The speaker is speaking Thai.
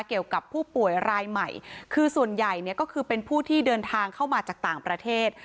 เกี่ยวกับผู้ป่วยรายใหม่คือส่วนใหญ่เนี่ยก็คือเป็นผู้ที่เดินทางเข้ามาจากต่างประเทศ